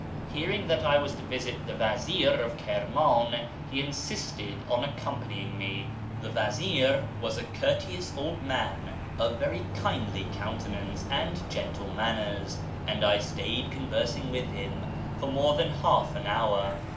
Hearing that I was to visit the vazir of Kirman, he insisted on accom panying me. The vazir was a courteous old man of very kindly counte nance and gentle manners, and I stayed conversing with him for more than half an hour.